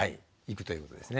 いくということですね。